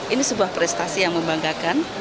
ini sebuah prestasi yang membanggakan